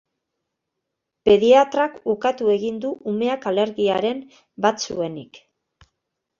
Pediatrak ukatu egin du umeak alergiaren bat zuenik.